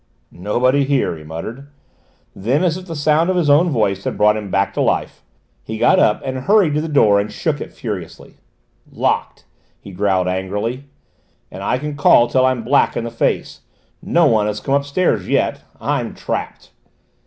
"Nobody here!" he muttered. Then as if the sound of his own voice had brought him back to life, he got up and hurried to the door and shook it furiously. "Locked!" he growled angrily. "And I can call till I'm black in the face! No one has come upstairs yet. I'm trapped!"